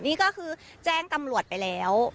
นี่ก็คือแจ้งตำรวจไปแล้ว